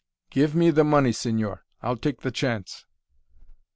"Give me the money, señor. I'll take the chance."